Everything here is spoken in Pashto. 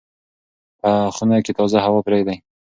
په خونه کې تازه هوا پرېږدئ.